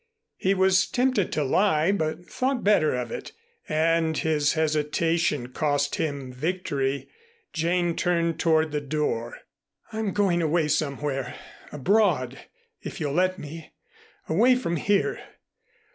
He was tempted to lie but thought better of it, and his hesitation cost him victory. Jane turned toward the door. "I'm going away somewhere abroad, if you'll let me, away from here.